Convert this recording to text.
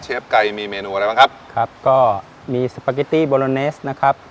ไก่มีเมนูอะไรบ้างครับครับก็มีสปาเกตตี้โบโลเนสนะครับ